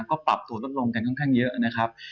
ก็ปรับตัวลดลงกันค่อนข้างเยอะนะครับ